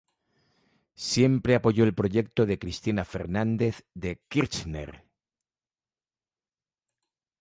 Siempre apoyó el proyecto de Cristina Fernández de Kirchner.